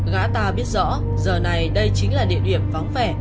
gã ta biết rõ giờ này đây chính là địa điểm vắng vẻ